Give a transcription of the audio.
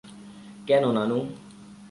কেন, নানু।